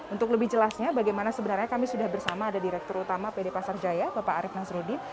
untuk lebih jelasnya bagaimana sebenarnya kami sudah bersama ada direktur utama pd pasar jaya bapak arief nasruddin